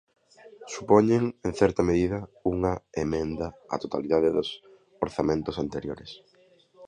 Supoñen, en certa medida, unha emenda á totalidade dos orzamentos anteriores.